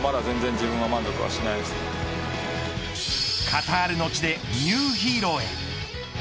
カタールの地でニューヒーローへ。